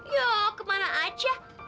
ya kemana aja